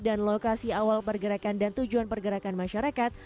dan lokasi awal pergerakan dan tujuan pergerakan masyarakat